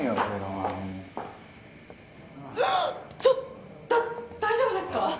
ちょっだ大丈夫ですか？